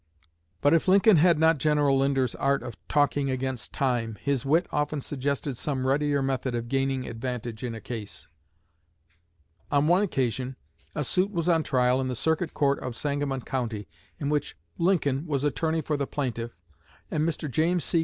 But if Lincoln had not General Linder's art of "talking against time," his wit often suggested some readier method of gaining advantage in a case. On one occasion, a suit was on trial in the Circuit Court of Sangamon County, in which Lincoln was attorney for the plaintiff, and Mr. James C.